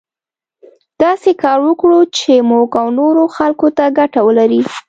داسې کار وکړو چې موږ او نورو خلکو ته ګټه ولري.